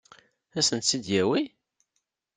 Ad sent-tt-id-yawi?